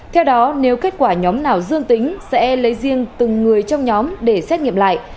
theo đó nếu kết quả nhóm nào dương tính sẽ lấy riêng từng người trong nhóm để xét nghiệm lại